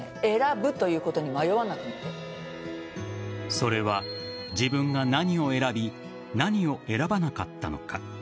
それは、自分が何を選び何を選ばなかったのか。